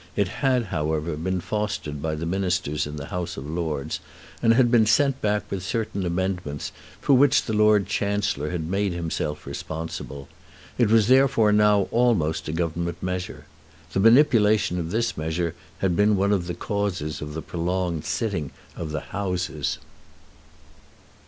It had, however, been fostered by Ministers in the House of Lords, and had been sent back with certain amendments for which the Lord Chancellor had made himself responsible. It was therefore now almost a Government measure. The manipulation of this measure had been one of the causes of the prolonged sitting of the Houses.